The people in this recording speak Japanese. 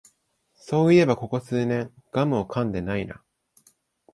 そういえばここ数年ガムかんでないな